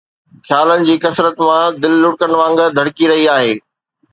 خيالن جي ڪثرت مان دل لڙڪن وانگر ڌڙڪي رهي آهي